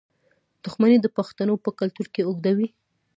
دښمني د پښتنو په کلتور کې اوږده وي.